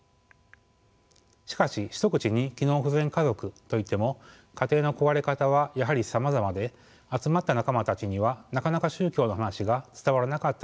しかし一口に機能不全家族と言っても家庭の壊れ方はやはりさまざまで集まった仲間たちにはなかなか宗教の話が伝わらなかったのです。